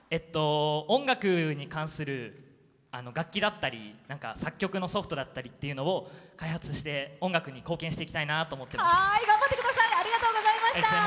音楽に関する楽器だったり作曲のソフトを開発して、音楽に貢献していきたいと思っています。